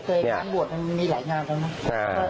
เคยครั้งบวชมันมีหลายงานใช่ไหม